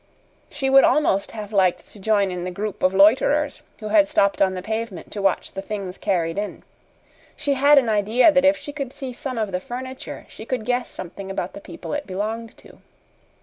She would almost have liked to join the group of loiterers who had stopped on the pavement to watch the things carried in. She had an idea that if she could see some of the furniture she could guess something about the people it belonged to.